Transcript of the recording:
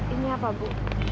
ini apa bu